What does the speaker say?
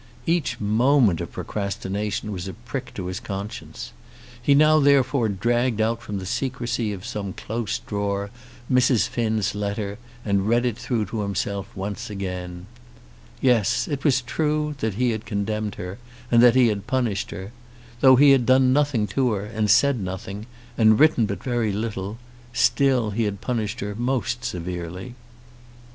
Each moment of procrastination was a prick to his conscience. He now therefore dragged out from the secrecy of some close drawer Mrs. Finn's letter and read it through to himself once again. Yes it was true that he had condemned her, and that he had punished her. Though he had done nothing to her, and said nothing, and written but very little, still he had punished her most severely.